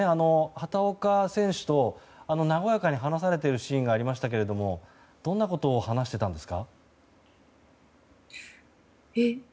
畑岡選手と和やかに話されてるシーンがありましたがどんなことを話していたんですか？